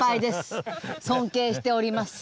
尊敬しております。